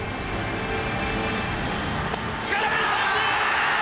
空振り三振！